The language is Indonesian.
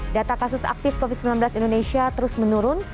data kasus aktif covid sembilan belas indonesia terus menurun